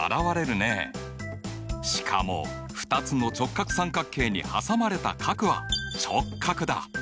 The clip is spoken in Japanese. しかも２つの直角三角形に挟まれた角は直角だ。